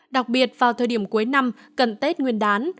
đặc biệt vào thời điểm cuối năm cận tết nguyên đán